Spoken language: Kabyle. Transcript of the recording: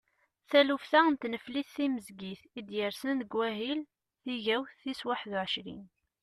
Taluft-a n tneflit timezgit i d-yersen deg wahil tigawt tis waḥedd u ɛecrin.